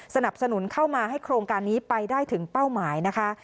สนับสนุนเข้ามาให้โครงการนี้ไปได้ถึงเป้าหมายนะคะ